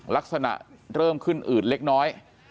ลักษณะเริ่มขึ้นอืดเล็กน้อย